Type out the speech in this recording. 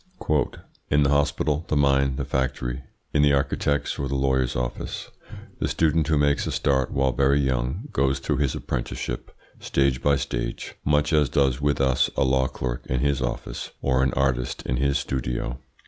"In the hospital, the mine, the factory, in the architect's or the lawyer's office, the student, who makes a start while very young, goes through his apprenticeship, stage by stage, much as does with us a law clerk in his office, or an artist in his studio.